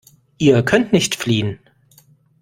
Ihr könnt nicht fliehen.